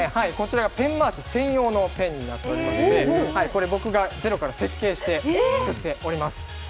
ペン回し専用のペンになりましてこれ、僕がゼロから設計して作っております。